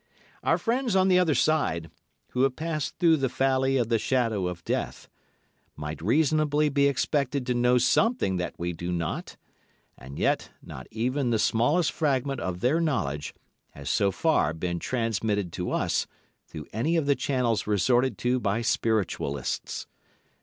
Our friends on the other side, who have passed through the valley of the shadow of death, might reasonably be expected to know something that we do not; and yet not even the smallest fragment of their knowledge has so far been transmitted to us through any of the channels resorted to by Spiritualists.